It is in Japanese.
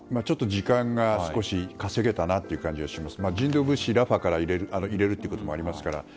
時間が少し稼げたなという感じはします。